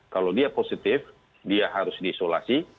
kalau dia positif dia harus diisolasi